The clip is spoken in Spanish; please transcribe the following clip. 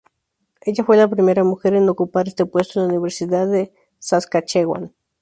Ella fue la primera mujer en ocupar este puesto en la Universidad de Saskatchewan.